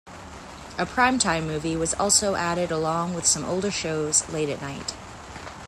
A prime-time movie was also added along with some older shows late at night.